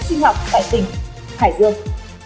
sinh học tại tỉnh hải dương